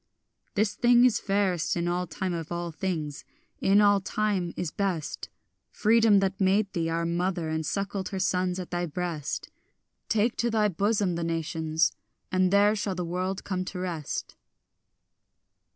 This thing is fairest in all time of all things, in all time is best— Freedom, that made thee, our mother, and suckled her sons at thy breast; Take to thy bosom the nations, and there shall the world come to rest.